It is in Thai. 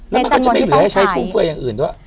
แล้วมันก็จะไม่เหลือให้ใช้ฟุ่มเฟืออย่างอื่นด้วย